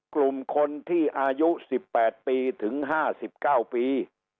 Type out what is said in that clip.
กลุ่มคนที่อายุ๑๘ปีถึง๕๙ปี